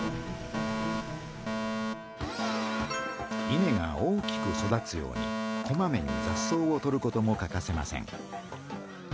稲が大きく育つようにこまめにざっ草を取ることも欠かせません。